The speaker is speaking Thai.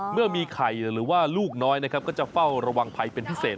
เมื่อมีไข่หรือว่าลูกน้อยนะครับก็จะเฝ้าระวังภัยเป็นพิเศษ